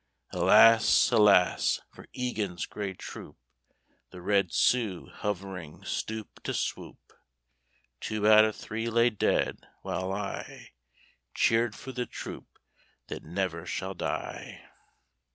Alas! alas! for Egan's Grey Troop! The Red Sioux, hovering stoop to swoop; Two out of three lay dead, while I Cheered for the troop that never shall die.